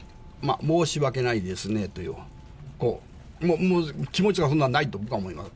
申し訳ないですねという、もう、気持ちはそんなないと僕は思います。